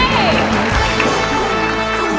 ตอบว่า